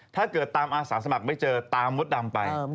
ถ้าเกิดตามอาสาสมัครไม่เจอตามมดดำไป